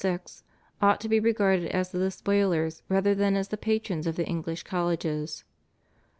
ought to be regarded as the despoilers rather than as the patrons of the English colleges.